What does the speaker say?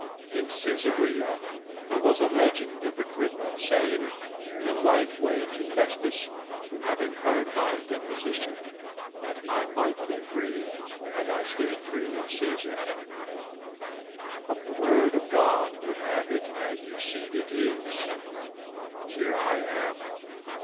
In Caesarea There was a legend of Agrippa saying In a light way to Festus, having heard My deposition, that I might be free, Had I stayed free of Caesar; but the word Of God would have it as you see it is And here I am.